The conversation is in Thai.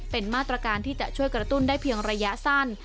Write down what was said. เป็นมาตรการที่จะช่วยกระตุ้นได้เพียงระยะสั้น